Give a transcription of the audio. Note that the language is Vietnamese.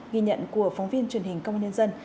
ghi nhận của phóng viên truyền hình công an nhân dân